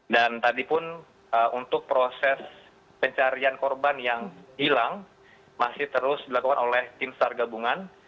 dan tadi pun untuk proses pencarian korban yang hilang masih terus dilakukan oleh tim sargabungan